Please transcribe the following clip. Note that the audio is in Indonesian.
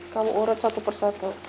kamu urut satu persatu